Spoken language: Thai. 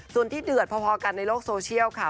ส่วนที่เดือดพอกันในโลกโซเชียลค่ะ